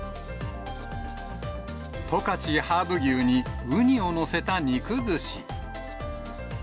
十勝ハーブ牛に、ウニを載せた肉ずし。